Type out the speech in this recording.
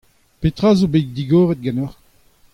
Petra zo bet digoret ganeoc'h ?